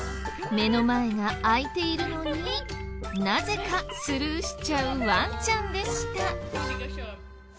目の前が開いているのになぜかスルーしちゃうワンちゃんでした。